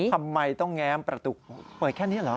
ทำไมต้องแง้มประตูเปิดแค่นี้เหรอ